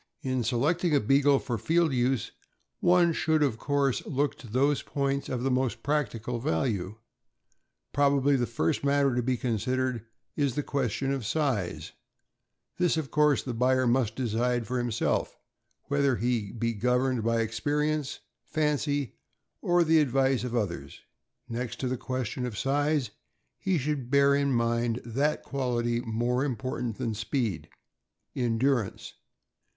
In selecting a Beagle for field use, one should of course look to those points of the most practical value. Probably the first matter to be considered is the question of size; this, of course, the buyer must decide for himself, whether he be governed by experience, fancy, or the advice of oth ers. Next to the question of size, he should bear in mind that quality more important than speed — endurance.